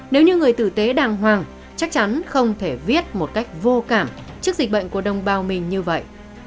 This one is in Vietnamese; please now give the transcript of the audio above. nếu như người tử tế đàng hoàng chắc chắn không thể viết một cách vô cảm trước dịch bệnh của đồng bào mình như vậy